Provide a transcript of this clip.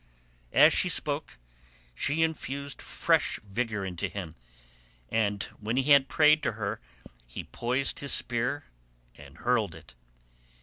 As she spoke she infused fresh vigour into him, and when he had prayed to her he poised his spear and hurled it.